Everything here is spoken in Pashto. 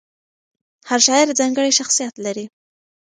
هر شاعر ځانګړی شخصیت لري.